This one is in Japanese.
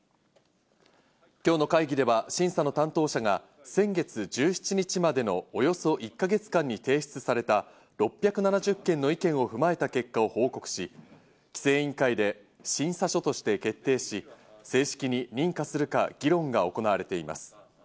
今日の会議では審査の担当者が先月１７日までのおよそ１か月間に提出された６７０件の意見を踏まえた結果を報告し、規制委員会で審査書として決定し、正式に認可するか議論が行われています。